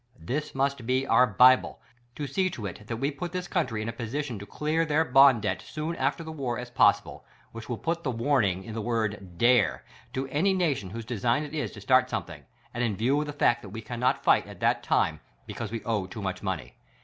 This must be our bible: To see to it that we put this country in a position to clear their Bond debt soon after the WAR as possible, which will put the warning in the word DARE to any nation whose design it is to start something, and in view of the fact that we cannot fight at that time, because we owe too much money.